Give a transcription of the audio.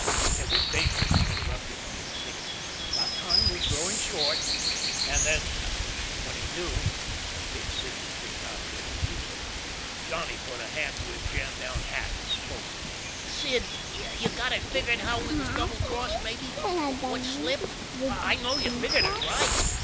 It was dangerous to interrupt him when he was thinking. But time was growing short. And then when he knew, Big Sid would figure out a way to use it. Johnny put a hand to his jammed down hat and spoke. "Sid, you got it figured how we was double crossed maybe? What slipped? I know you figured it right."